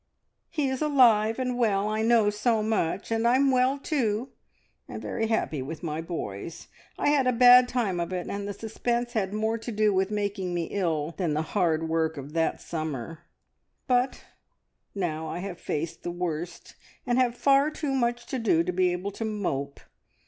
He is alive and well, I know so much, and I'm well too, and very happy with my boys. I had a bad time of it, and the suspense had more to do with making me ill than the hard work of that summer; but now I have faced the worst, and have far too much to do to be able to mope.